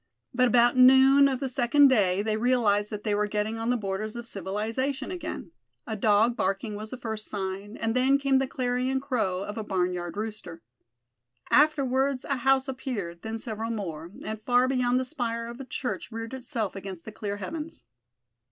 But about noon of the second day they realized that they were getting on the borders of civilization again. A dog barking was the first sign, and then came the clarion crow of a barnyard rooster. Afterwards a house appeared, then several more; and far beyond the spire of a church reared itself against the clear heavens.